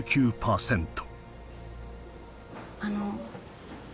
あの。